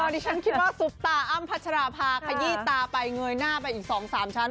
อ๋อนี่ฉันคิดว่าสุบตาอ้ำพัชราภาขยี้ตาไปเงยหน้าไปอีกสองสามชั้น